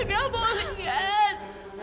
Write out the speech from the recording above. nggak boleh lihat